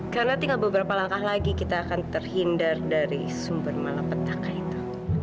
karena tinggal beberapa langkah lagi kita akan terhindar dari sumber malapetaka itu